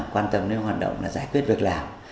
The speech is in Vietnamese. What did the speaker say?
quan tâm đến hoạt động là giải quyết việc làm